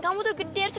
kamu tuh gede arjah